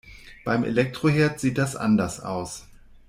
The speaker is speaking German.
Beim Elektroherd sieht das anders aus.